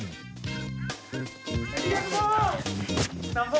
สวัสดีค่ะคุณผู้